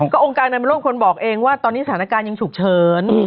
ก็องค์การนำโลกคนบอกเองว่าตอนนี้สถานการณ์ยังฉุกเฉิน